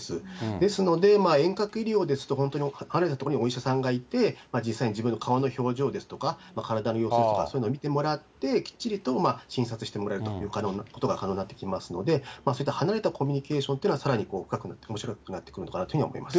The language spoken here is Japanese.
ですので、遠隔医療ですと、本当に離れた所にお医者さんがいて、実際に自分の顔の表情ですとか、体の様子ですとか、そういうのを診てもらって、きっちりと診察してもらえるということが可能になってきますので、そういった離れたコミュニケーションというのは、さらに深く、おもしろくなってくるのかなと思います。